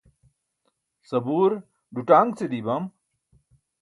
sabuur duṭaaṅce dii bam